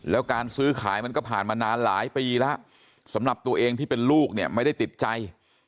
แล้วการซื้อขายมันก็ผ่านมานานหลายปีแล้วสำหรับตัวเองที่เป็นลูกเนี่ยไม่ได้ติดใจ